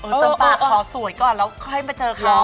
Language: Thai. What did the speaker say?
เติมปากขอสวยก่อนแล้วค่อยมาเจอเขา